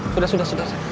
sudah sudah sudah